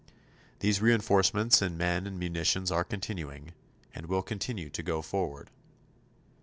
These reinforcements in men and munitions are continuing, and will continue to go forward.